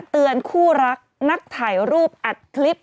เตือนคู่รักนักถ่ายรูปอัดคลิป